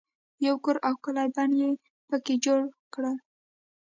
یو کور او ښکلی بڼ یې په کې جوړ کړل.